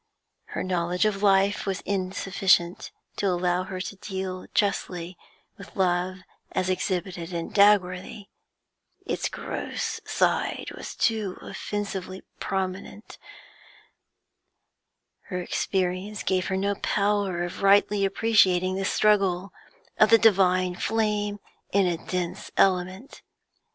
Her knowledge of life was insufficient to allow her to deal justly with love as exhibited in Dagworthy; its gross side was too offensively prominent; her experience gave her no power of rightly appreciating this struggle of the divine flame in a dense element.